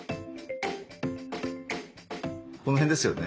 この辺ですよね。